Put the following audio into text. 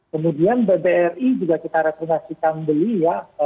kemudian bbri juga kita rekomendasikan beli ya